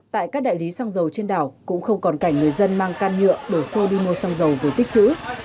tại các đại lý xăng dầu trên đảo cũng không còn cảnh người dân mang can nhựa đổ xô đi mua xăng dầu rồi tích chữ